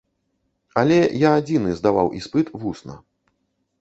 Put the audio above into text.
Але я адзіны здаваў іспыт вусна.